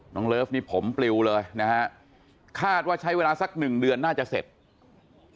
เลิฟนี่ผมปลิวเลยนะฮะคาดว่าใช้เวลาสักหนึ่งเดือนน่าจะเสร็จ